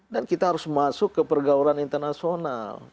dan kita harus masuk ke pergauran internasional